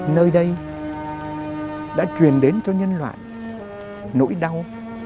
nơi đây đã truyền đến cho nhân loại nỗi đau